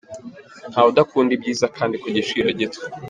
Ntawe udakunda ibyiza kandi ku giciro gito.